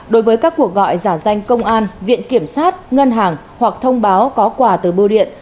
đối với các cuộc gọi giả danh công an viện kiểm sát ngân hàng hoặc thông báo có quà từ bưu điện